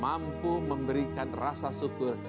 mampu memberikan rasa syukur